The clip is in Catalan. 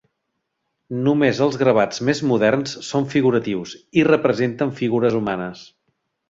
Només els gravats més moderns són figuratius i representen figures humanes.